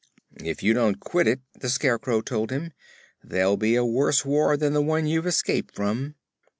"If you don't quit it," the Scarecrow told him, "there'll be a worse war than the one you've escaped from."